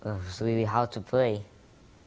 itu sangat sulit untuk dipelajari